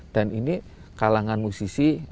dan ini kalangan musisi